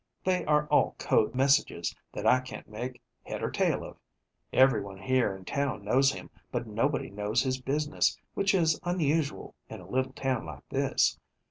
They are all code messages, that I can't make head or tail of. Everyone here in town knows him, but nobody knows his business, which is unusual in a little town like this.